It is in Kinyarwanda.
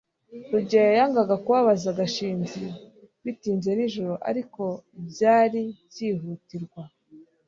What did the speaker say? rugeyo yangaga kubabaza gashinzi bitinze nijoro, ariko byari byihutirwa